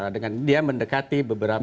dengan dia mendekati beberapa